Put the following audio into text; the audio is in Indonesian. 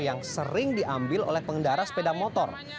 yang sering diambil oleh pengendara sepeda motor